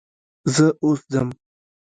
زه اوس ځم.